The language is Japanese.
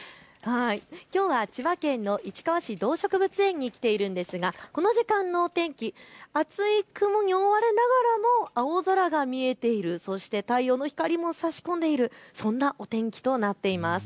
きょうは千葉県の市川市動植物園に来ているんですが、この時間のお天気、厚い雲に覆われながらも青空が見えている、そして太陽の光も差し込んでいる、そんなお天気となっています。